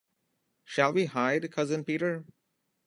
Shall we hide, Cousin Peter?